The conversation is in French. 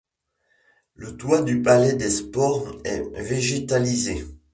Le toit du palais des sports est végétalisé.